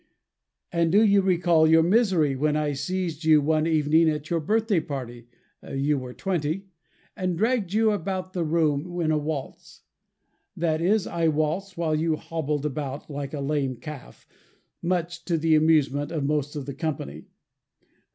And do you recall your misery when I seized you one evening at your birthday party (you were twenty), and dragged you about the room in a waltz? That is, I waltzed, while you hobbled about like a lame calf, much to the amusement of most of the company.